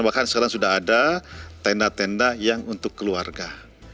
bahkan sekarang sudah ada tenda tenda yang untuk keluarga